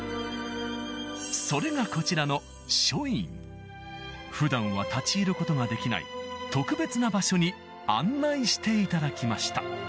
それがこちらの普段は立ち入ることができない特別な場所に案内していただきました